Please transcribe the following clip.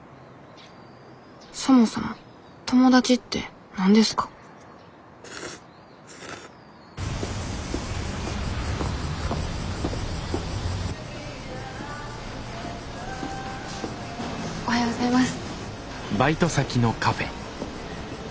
そもそも友達って何ですかおはようございます。